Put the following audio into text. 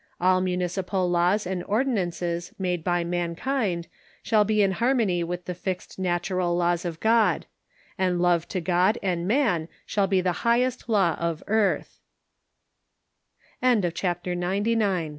All municipal laws and ordinances made by mankind shall be in harmony with the fixed natu ral laws of God ; and love to God and man shall be the highest law of